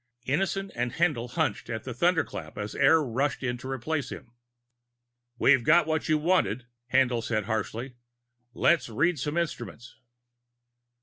Innison and Haendl hunched at the thunderclap as air rushed in to replace him. "We've got what you wanted," Haendl said harshly. "Let's read some instruments."